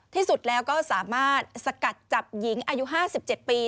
ที่สุดแล้วก็สามารถสกัดจับหญิงอายุ๕๗ปี